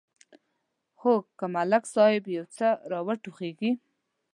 خو که ملک صاحب یو څه را وټوخېږي.